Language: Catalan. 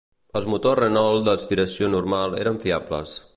Els motors Renault d'aspiració normal eren fiables.